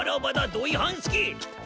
土井半助！